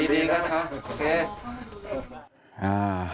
ดีครับค่ะโอเค